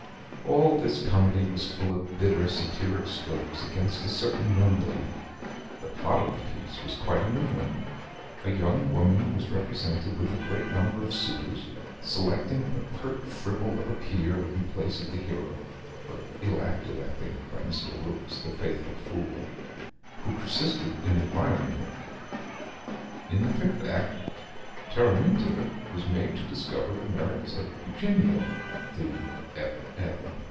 All this comedy was full of bitter satiric strokes against a certain young lady. The plot of the piece was quite a new one. A young woman was represented with a great number of suitors, selecting a pert fribble of a peer, in place of the hero (but ill acted, I think, by Mr. Wilks, the Faithful Fool,) who persisted in admiring her. In the fifth act, Teraminta was made to discover the merits of Eugenio (the F. F.)